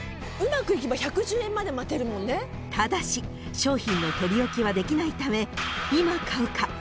［ただし商品の取り置きはできないため］